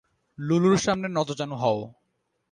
লুলুর সামনে নতজানু হও।